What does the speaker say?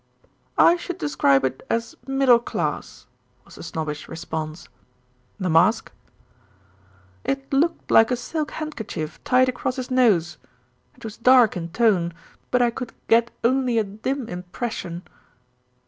"I should describe it as middle class," was the snobbish response. "The mask?" "It looked like a silk handkerchief tied across his nose. It was dark in tone; but I could get only a dim impression."